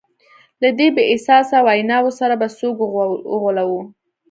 له دې بې اساسه ویناوو سره به څوک وغولوو.